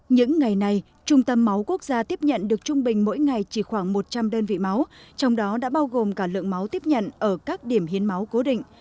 những ngày này trung tâm máu quốc gia tiếp nhận được trung bình mỗi ngày chỉ khoảng một trăm linh đơn vị máu trong đó đã bao gồm cả lượng máu tiếp nhận ở các điểm hiến máu cố định